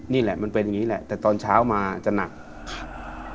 นี่แหละมันเป็นอย่างนี้แหละแต่ตอนเช้ามาจะหนักครับ